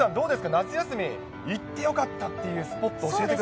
夏休み、行ってよかったっていうスポット教えてください。